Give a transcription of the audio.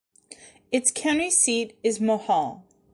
Its county seat is Mohall.